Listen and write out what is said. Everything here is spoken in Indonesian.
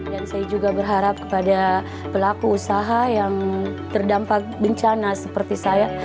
dan saya juga berharap kepada pelaku usaha yang terdampak bencana seperti saya